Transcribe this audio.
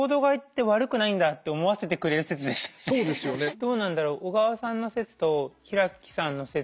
どうなんだろう。